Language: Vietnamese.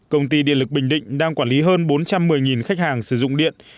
công ty điện lực bình định đang quản lý hơn bốn trăm một mươi khách hàng sử dụng điện